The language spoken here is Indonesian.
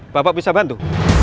bapak bisa bantu